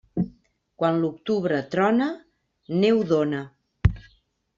Quan l'octubre trona, neu dóna.